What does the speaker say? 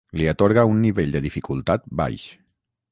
li atorga un nivell de dificultat baix